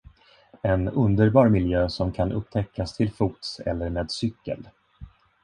En underbar miljö som kan upptäckas till fots eller med cykel.